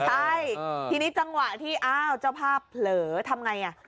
ใช่ทีนี้จังหวะที่อ้าวเจ้าภาพเผลอทำไงอ่ะ